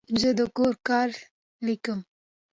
زه د کور کار لیکم.